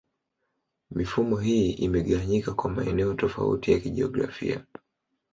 Mifumo hii imegawanyika kwa maeneo tofauti ya kijiografia.